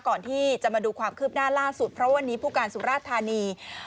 ก่อนที่จะมาดูความคืบหน้าล่าสุดเพราะวันนี้ผู้การสุราธานี